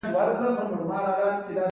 دوهم د خپل شرکت جوړول دي.